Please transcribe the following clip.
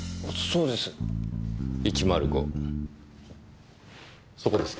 そこです。